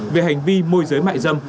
về hành vi môi giới mại dâm